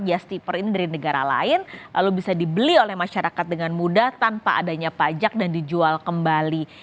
yes tiper ini dari negara lain lalu bisa dibeli oleh masyarakat dengan mudah tanpa adanya pajak dan dijual kembali